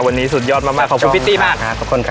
วันนี้สุดยอดมากขอบคุณพิตตี้มากนะครับขอบคุณครับ